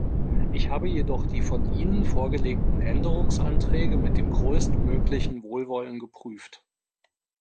Ich habe jedoch die von Ihnen vorgelegten Änderungsanträge mit dem größtmöglichen Wohlwollen geprüft.